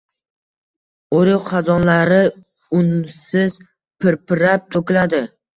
O’rik xazonlari unsiz pirpirab to’kiladi.